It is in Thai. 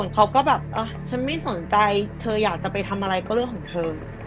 เขาก็แบบฉันไม่สนใจเธออยากจะไปทำอะไรก็เรื่องของเธอ